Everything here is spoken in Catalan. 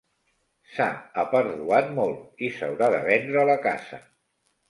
S'ha aperduat molt i s'haurà de vendre la casa.